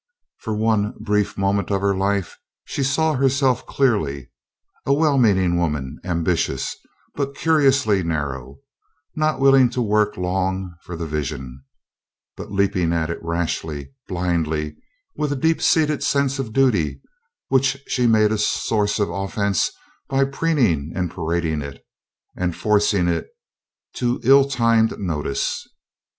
For one brief moment of her life she saw herself clearly: a well meaning woman, ambitious, but curiously narrow; not willing to work long for the Vision, but leaping at it rashly, blindly, with a deep seated sense of duty which she made a source of offence by preening and parading it, and forcing it to ill timed notice.